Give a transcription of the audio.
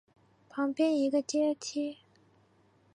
旁边一个阶梯